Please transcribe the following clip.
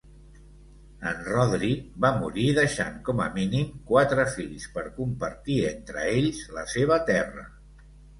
En Rhodri va morir deixant com a mínim quatre fills per compartir entre ells la seva terra.